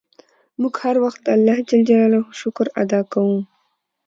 موږ هر وخت د اللهﷻ شکر ادا کوو.